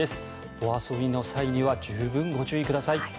お遊びの際には十分ご注意ください。